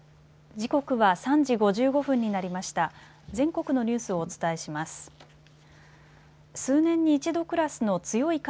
時刻は３時５５分になりました。